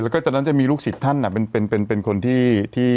แล้วก็ตอนนั้นจะมีลูกศิษย์ท่านเป็นคนที่